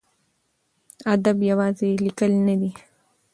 ادب یوازې لیکل نه دي.